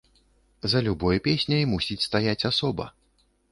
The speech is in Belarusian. За любой песняй мусіць стаяць асоба.